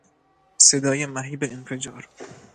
صدای مهیب انفجار